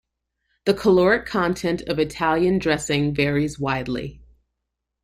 The caloric content of Italian dressing varies widely.